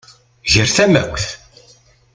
Ger tamawt!